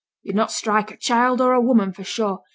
'Yo'd not strike a child or a woman, for sure!